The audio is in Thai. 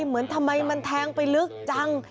เหมือนทำไมมันแทงไปลึกจัง